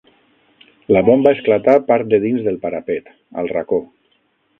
La bomba esclatà part dedins del parapet, al racó